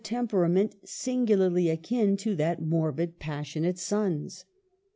temperament singularly akin to that morbid, passionate son's.